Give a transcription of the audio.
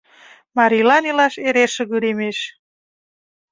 Марийлан илаш эре шыгыремеш.